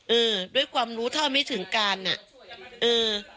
เออด้วยความรู้เท่าไม่ถึงการอ่ะเออ